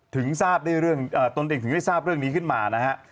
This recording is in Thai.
ถึงทราบได้เรื่องตนเองถึงได้ทราบเรื่องนี้ขึ้นมานะฮะ